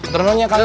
turunin ya kalian